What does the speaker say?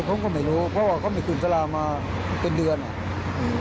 ผมก็ไม่รู้เพราะว่าเขาไม่กินสลามาเป็นเดือนอ่ะอืม